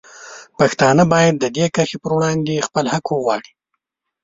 پښتانه باید د دې کرښې په وړاندې خپل حق وغواړي.